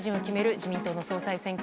自民党の総裁選挙。